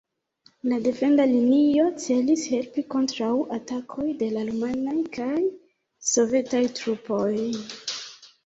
La defenda linio celis helpi kontraŭ atakoj de la rumanaj kaj sovetaj trupoj.